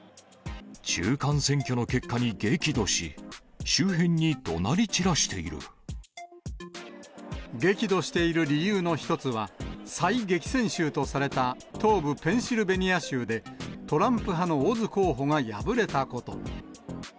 中間選挙の結果に激怒し、激怒している理由の一つは、最激戦州とされた東部ペンシルベニア州で、トランプ派のオズ候補が敗れたこと。